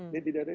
dia tidak ada